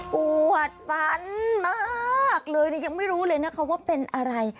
ปวดฝันมากเลยยังไม่รู้เลยนะคะว่าเป็นอะไร